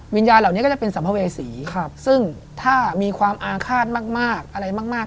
เหล่านี้ก็จะเป็นสัมภเวษีซึ่งถ้ามีความอาฆาตมากอะไรมาก